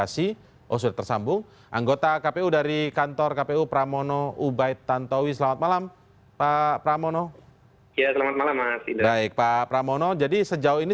sampai malam ini